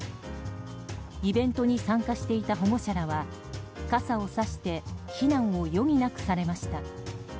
イベントに参加していた保護者らは傘をさして避難を余儀なくされました。